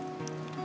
benci sama oguh